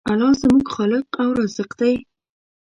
الله زموږ خالق او رازق دی.